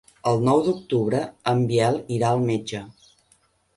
El nou d'octubre en Biel irà al metge.